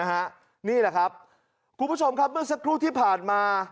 นี่แหละครับคุณผู้ชมครับเมื่อสักครู่ที่ผ่านมา